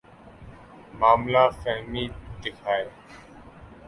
معاملہ فہمی دکھائیے۔